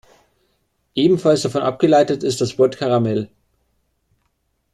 Ebenfalls davon abgeleitet ist das Wort "Karamell".